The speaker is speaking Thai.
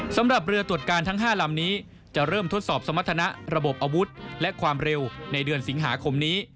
สำหรับเรือตรวจการทั้ง๕ลำนี้จะเริ่มทดสอบสมรรถนะระบบอาวุธและความเร็วในเดือนสิงหาคมนี้